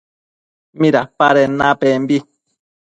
¿Midapaden napembi?